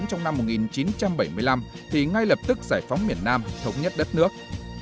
trong năm một nghìn chín trăm bảy mươi năm thì ngay lập tức giải phóng miền nam thống nhất đất nước